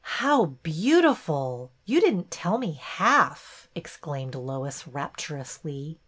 ''How beautiful! You didn't tell me half," exclaimed Lois, rapturously.